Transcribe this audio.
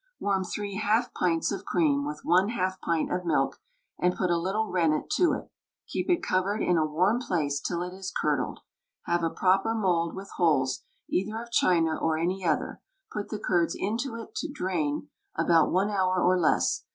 Warm three half pints of cream with one half pint of milk, and put a little rennet to it; keep it covered in a warm place till it is curdled; have a proper mould with holes, either of china or any other; put the curds into it to drain, about one hour or less.